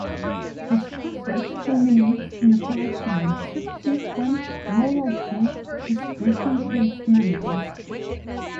This process culminates in the collection and subsequent royalty distribution to its members.